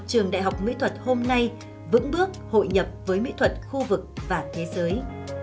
trường đại học mỹ thuật hôm nay vững bước hội nhập với mỹ thuật khu vực và thế giới